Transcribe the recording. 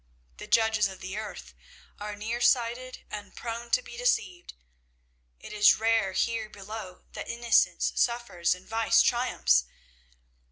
The judges of the earth are near sighted and prone to be deceived. It is rare here below that innocence suffers and vice triumphs.